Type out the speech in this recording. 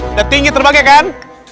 udah tinggi terbagai kan